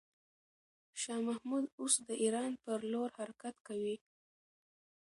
شاه محمود اوس د ایران پر لور حرکت کوي.